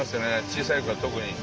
小さい子は特に。